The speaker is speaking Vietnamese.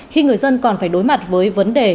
khi người dân còn phải đối mặt với vấn đề